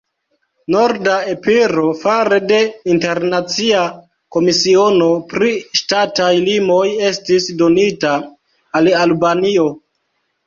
Norda Epiro fare de internacia komisiono pri ŝtataj limoj estis donita al Albanio.